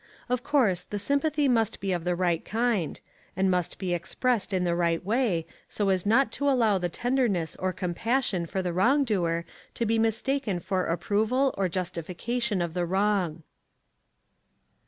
Of course the sympathy must be of the right kind, and must be expressed in the right way, so as not to allow the tenderness or compassion for the wrong doer to be mistaken for approval or justification of the wrong.